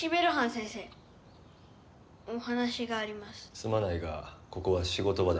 すまないがここは仕事場だ。